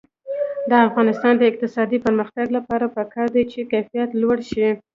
د افغانستان د اقتصادي پرمختګ لپاره پکار ده چې کیفیت لوړ شي.